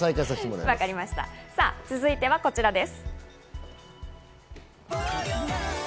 続いてはこちらです。